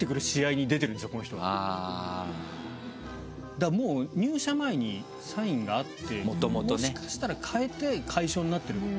だからもう入社前にサインがあってもしかしたら変えて楷書になってる。